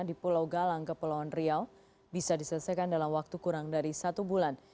di pulau galang ke pulau andrial bisa diselesaikan dalam waktu kurang dari satu bulan